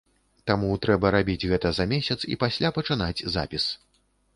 Таму трэба рабіць гэта за месяц, і пасля пачынаць запіс.